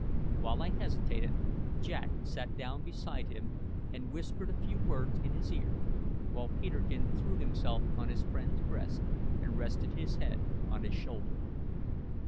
While I hesitated Jack sat down beside him and whispered a few words in his ear, while Peterkin threw himself on his friend's breast and rested his head on his shoulder.